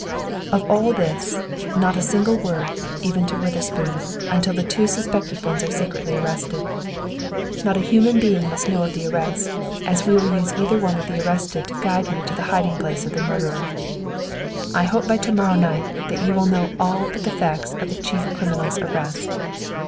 "Of all this, not a single word, even to Witherspoon, until the two suspected ones are secretly arrested. Not a human being must know of the arrest, as we will use either one of the arrested to guide me to the hiding place of the murderer. "I hope by to morrow night that you will know all but the fact of the chief criminal's arrest!